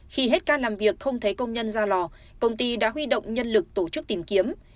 khi hết ca làm việc không thấy công nhân ra lò công ty đã huy động nhân lực tổ chức tìm kiếm